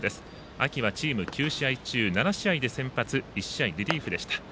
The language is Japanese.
秋はチーム９試合中７試合で先発、１試合リリーフでした。